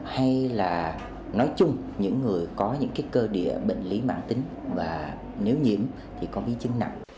hay là nói chung những người có những cơ địa bệnh lý mạng tính và nếu nhiễm thì có biến chứng nặng